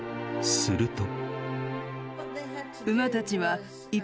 すると。